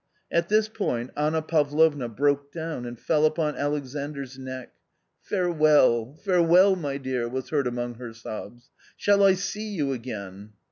At this point Anna Pavlovna broke down and fell upon Alexandr's neck. "Farewell, farewell, my dear," was heard among her sobs. " Shall I see you again